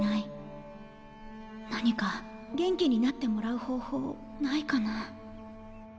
何か元気になってもらう方法ないかな。